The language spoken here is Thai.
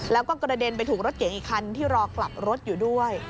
แล้วก็กระเด็นไปถูกรถเก๋งอีกคันที่รอกลับรถอยู่ด้วย